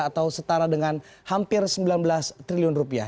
atau setara dengan hampir sembilan belas triliun rupiah